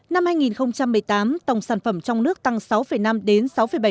năm hai nghìn một mươi tám tổng sản phẩm trong nước tăng sáu năm đến sáu bảy